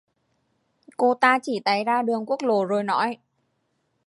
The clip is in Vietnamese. Cô ta chỉ tay ra đường quốc lộ rồi nói